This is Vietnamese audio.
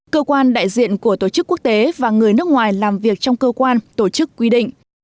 cơ quan đại diện của tổ chức quốc tế và người nước ngoài làm việc trong cơ quan tổ chức quy định